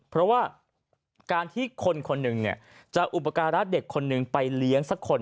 เพราะว่าการที่คนคนหนึ่งจะอุปการะเด็กคนหนึ่งไปเลี้ยงสักคน